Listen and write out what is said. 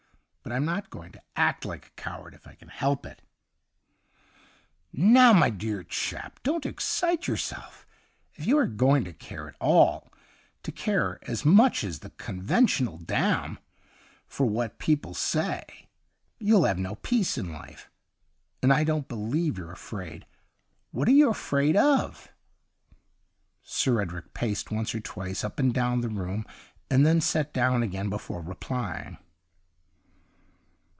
But I'm not going to act like a coward if I can help it.' ' Now, my dear chap, don't excite yourself. If you are going to care at all — to care as much as the con ventional damn — for what people say, you'll have no peace in life. And I don't believe you're afraid. What are you afraid of .^' Sir Edric paced once or twice up and down the room, and then sat down again before replying.